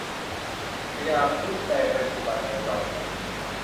พญาครุฑแปลงเป็นสุบรรณจร